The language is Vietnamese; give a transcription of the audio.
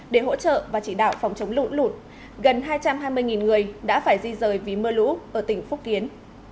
để hỗ trợ và chỉ đạo phòng chống lũ lụt gần hai trăm hai mươi người đã phải di rời vì mưa lũ ở tỉnh phúc kiến